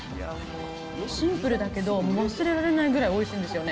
シンプルだけど、忘れられないぐらいおいしいんですよね。